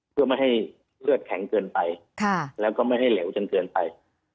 เพื่อไม่ให้เลือดแข็งเกินไปแล้วก็ไม่ให้เหลวจนเกินไป